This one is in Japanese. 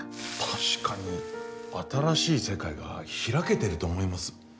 確かに新しい世界が開けていると思います。